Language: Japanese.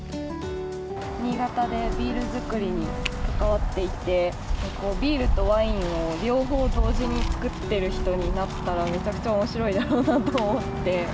新潟でビール造りに関わっていて、ビールとワインを両方同時に造ってる人になったら、めちゃくちゃおもしろいだろうなと思って。